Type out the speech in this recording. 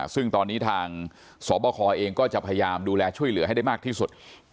ซึ่งตอนนี้ทางสบคเองก็จะพยายามดูแลช่วยเหลือให้ได้มากที่สุด